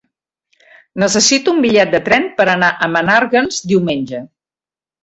Necessito un bitllet de tren per anar a Menàrguens diumenge.